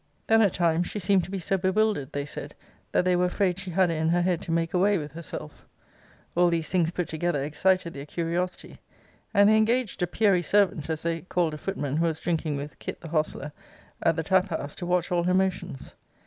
Then at times she seemed to be so bewildered, they said, that they were afraid she had it in her head to make away with herself. 'All these things put together, excited their curiosity; and they engaged a peery servant, as they called a footman who was drinking with Kit. the hostler, at the tap house, to watch all her motions.